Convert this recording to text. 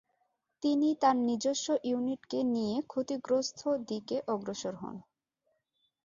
তিনি তার নিজস্ব ইউনিটকে নিয়ে ক্ষতিগ্রস্থ দিকে অগ্রসর হন।